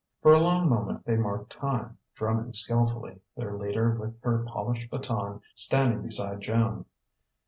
For a long moment they marked time, drumming skilfully, their leader with her polished baton standing beside Joan.